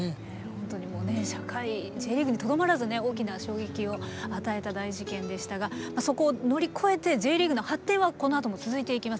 本当に社会Ｊリーグにとどまらずね大きな衝撃を与えた大事件でしたがそこを乗り越えてＪリーグの発展はこのあとも続いていきます。